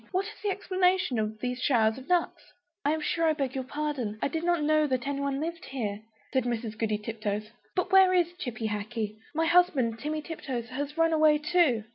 What is the explanation of these showers of nuts?" "I am sure I beg your pardon; I did not know that anybody lived here," said Mrs. Goody Tiptoes; "but where is Chippy Hackee? My husband, Timmy Tiptoes, has run away too."